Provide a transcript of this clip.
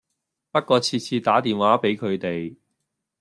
不過次次打電話俾佢哋